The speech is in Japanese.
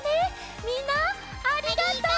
みんなありがとう！